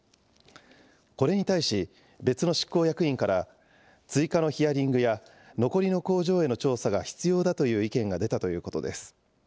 これに対し、別の執行役員から、追加のヒアリングや残りの工場への調査が必要だという意見が出たということです。